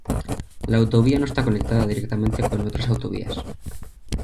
La autovía no está conectada directamente con otras autovías.